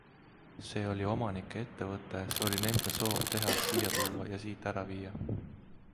See oli omanike ettevõte, see oli nende soov tehas siia tuua ja siit ära viia.